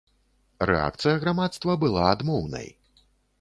Рэакцыя грамадства была адмоўнай.